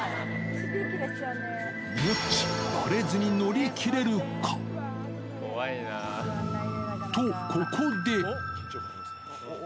ノッチ、ばれずに乗り切れるか？と、ここで。